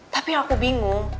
tapi aku bingung